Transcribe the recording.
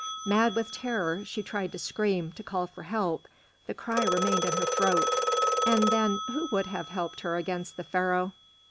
Mad with terror, she tried to scream, to call for help; the cry remained in her throat, and then, who would have helped her against the Pharaoh?